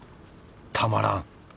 たまらん！